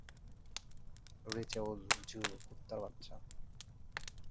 রি চেউল জু, কুত্তার বাচ্চা!